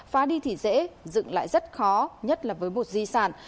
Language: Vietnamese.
phá đi thì dễ dựng lại rất khó nhất là với một di sản